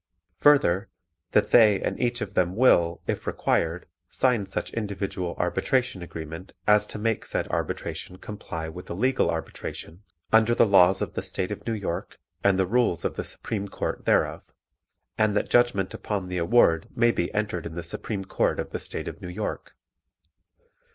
Further, that they and each of them will, if required, sign such individual arbitration agreement as to make said arbitration comply with a legal arbitration under the laws of the State of New York and the rules of the Supreme Court thereof, and that judgment upon the award may be entered in the Supreme Court of the State of New York.